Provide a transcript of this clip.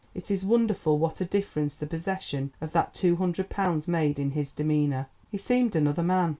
It is wonderful what a difference the possession of that two hundred pounds made in his demeanour; he seemed another man.